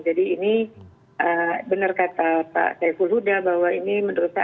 jadi ini benar kata pak t pulfuda bahwa ini menurut saya